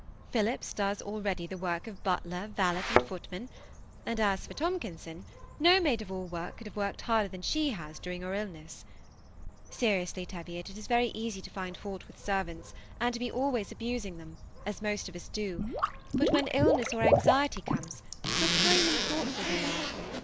Phillips does already the work of butler, valet, and footman ; and as for Tomkinson, no maid of all work could have worked harder than she has during your illness. Seriously, Teviot, it is very easy to find fault with servants, and to be always abusing them, as most of us do, but when illness or anxiety comes, how kind and thoughtful they are